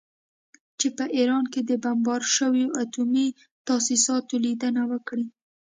چې په ایران کې د بمبارد شویو اټومي تاسیساتو لیدنه وکړي